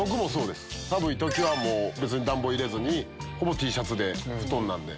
寒い時別に暖房入れずにほぼＴシャツで布団なんで。